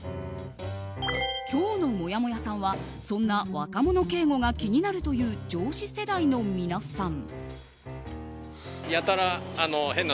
今日のもやもやさんはそんな若者敬語が気になるという上司世代の皆さん。